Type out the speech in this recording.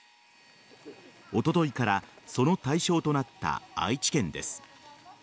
おとといからその対象となった愛知県です。